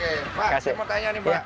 oke pak saya mau tanya nih mbak